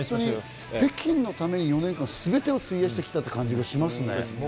北京のために４年間すべてを費やしてきたという感じがしますね。